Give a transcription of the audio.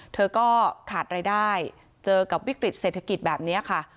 เธอก็ขาดรายได้เจอกับวิกฤตเศรษฐกิจแบบนี้ค่ะ